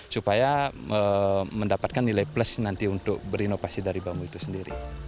supaya mendapatkan nilai plus nanti untuk berinovasi dari bambu itu sendiri